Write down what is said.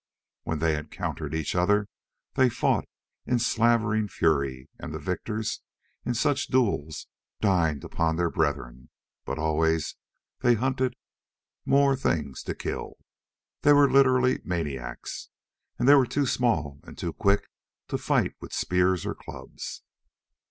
When they encountered each other they fought in slavering fury and the victors in such duels dined upon their brethren. But always they hunted for more things to kill. They were literally maniacs and they were too small and too quick to fight with spears or clubs.